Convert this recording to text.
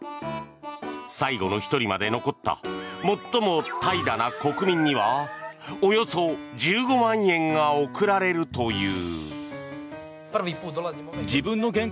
最後の１人まで残った最も怠惰な国民にはおよそ１５万円が贈られるという。